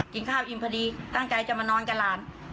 ข้าวอิ่มพอดีตั้งใจจะมานอนกับหลาน